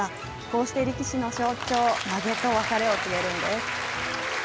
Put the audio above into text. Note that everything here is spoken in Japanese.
こうして力士の象徴、まげと別れを告げるんです。